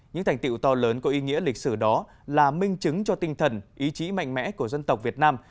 những thành tiệu to lớn có ý nghĩa lịch sử đó là minh chứng cho tinh thần ý chí mạnh mẽ của dân tộc việt nam